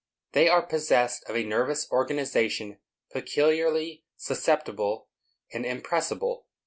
They are possessed of a nervous organization peculiarly susceptible and impressible.